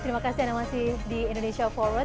terima kasih anda masih di indonesia forward